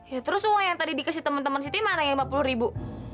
ya terus uang yang tadi dikasih temen temen siti mana yang lima puluh ribu